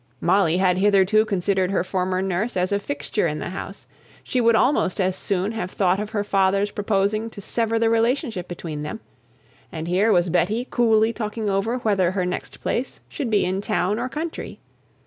Molly had hitherto considered her former nurse as a fixture in the house; she would almost as soon have thought of her father's proposing to sever the relationship between them; and here was Betty coolly talking over whether her next place should be in town or country.